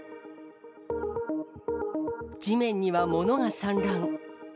地面には物が散乱。